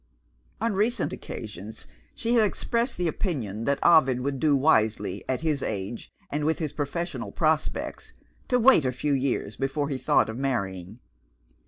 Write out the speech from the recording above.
On recent occasions, she had expressed the opinion that Ovid would do wisely at his age, and with his professional prospects to wait a few years before he thought of marrying.